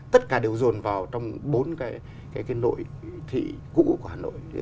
tất cả đều dồn vào trong bốn cái nội thị cũ của hà nội